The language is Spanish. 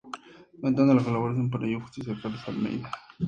Contando con la colaboración, para ello, del jesuita Carlos Almeida.